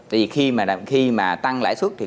tại vì khi mà tăng lãi suất thì họ sẽ tăng nhiều hơn